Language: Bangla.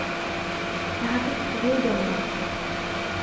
তাহাতে ছবিও দেওয়া আছে।